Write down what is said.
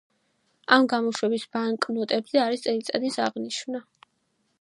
ამ გამოშვების ბანკნოტზე არის წელიწადის აღნიშვნა.